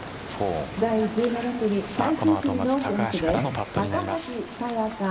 この後、まず高橋からのパットになります。